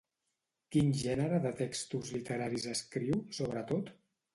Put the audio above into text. Quin gènere de textos literaris escriu, sobretot?